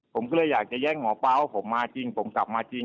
ผมก็เลยอยากจะแย่งหมอป๊าว่าผมมาจริงผมกลับมาจริง